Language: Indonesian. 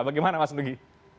bagaimana mas dugi